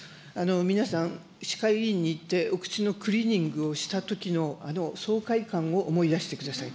皆さん、歯科医院に行って、お口のクリーニングをしたときのあの爽快感を思い出してください。